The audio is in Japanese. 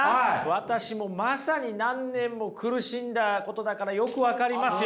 私もまさに何年も苦しんだことだからよく分かりますよ。